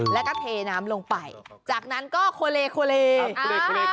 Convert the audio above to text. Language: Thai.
แล้วก็เทน้ำลงไปจากนั้นก็โคเลโคเลโคเลโคเลโคเล